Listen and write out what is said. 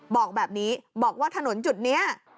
บอกแบบนี้บอกว่าถนนจุดนี้